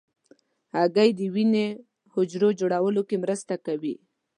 هګۍ د وینې حجرو جوړولو کې مرسته کوي.